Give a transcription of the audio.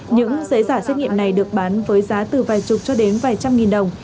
những giấy giả xét nghiệm này được bán với giá từ vài chục cho đến vài trăm nghìn đồng